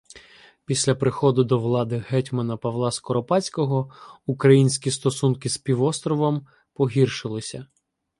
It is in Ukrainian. Після приходу до влади гетьмана Павла Скоропадського українські стосунки з півостровом погіршилися.